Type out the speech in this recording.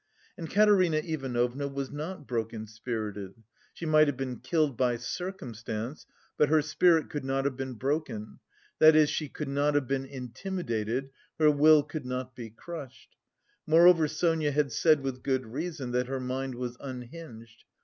And Katerina Ivanovna was not broken spirited; she might have been killed by circumstance, but her spirit could not have been broken, that is, she could not have been intimidated, her will could not be crushed. Moreover Sonia had said with good reason that her mind was unhinged.